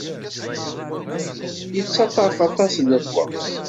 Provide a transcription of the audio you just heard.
Yettaṭṭaf aṭas n lweqt.